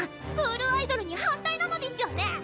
スクールアイドルに反対なのですよね！